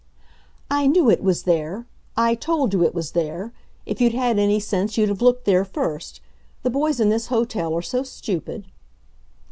"I knew it was there. I told you it was there. If you'd had any sense you'd have looked there first. The boys in this hotel are so stupid."